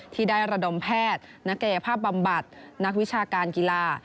ที่ได้ระดมแพทย์นักกายภาพบำบัดนักวิชาการกีฬา